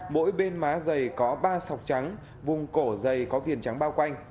mỗi bên má dày có ba sọc trắng vùng cổ dày có phiền trắng bao quanh